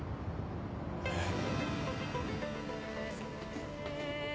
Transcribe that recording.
えっ。